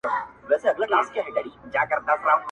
شعرونه نور ورته هيڅ مه ليكه.